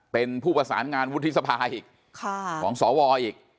เป็นผู้ประสานงานวุฒิสภาอีกของสวอีก